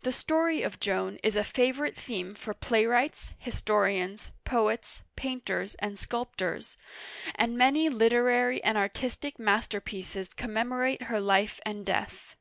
The story of Joan is a favorite theme for playwrights, historians, poets, painters, and sculptors; and many literary and artistic masterpieces commemorate her life and death.